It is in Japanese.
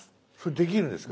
できるんです。